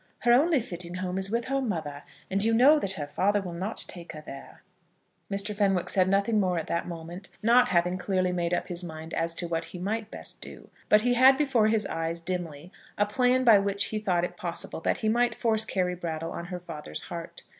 Her only fitting home is with her mother, and you know that her father will not take her there." Mr. Fenwick said nothing more at that moment, not having clearly made up his mind as to what he might best do; but he had before his eyes, dimly, a plan by which he thought it possible that he might force Carry Brattle on her father's heart.